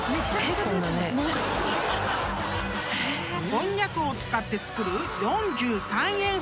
［こんにゃくを使って作る］